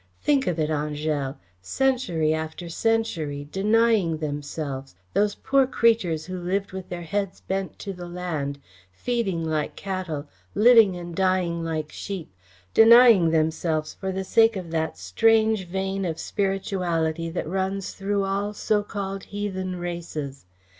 Think of it, Angèle century after century, denying themselves, those poor creatures who lived with their heads bent to the land, feeding like cattle, living and dying like sheep, denying themselves for the sake of that strange vein of spirituality that runs through all so called heathen races.